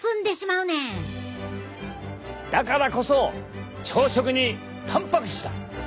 だからこそ朝食にたんぱく質だ！